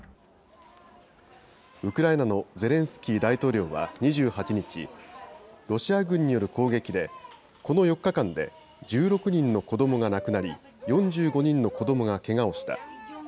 ウクライナのゼレンスキー大統領は２８日、ロシア軍による攻撃で、この４日間で１６人の子どもが亡くなり、４５人の子どもがけがをした。